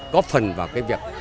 góp phần vào cái việc